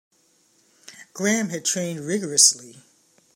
Graham had trained rigourously.